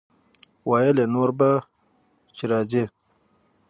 ويې ويل نور به چې راځې.